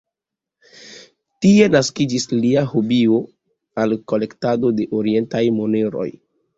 Tie naskiĝis lia hobio al kolektado de orientaj moneroj.